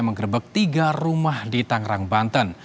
menggerebek tiga rumah di tangerang banten